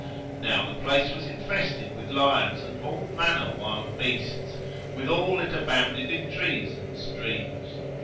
Now the place was infested with lions and all manner wild beasts, withal it abounded in trees and streams.